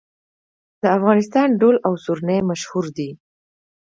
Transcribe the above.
د افغانستان دهل او سرنا مشهور دي